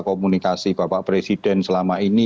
komunikasi bapak presiden selama ini